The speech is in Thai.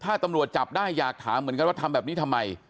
ถ้าตำรวจจับได้อยากถามเหมือนกันว่าทำแบบนี้ทำไม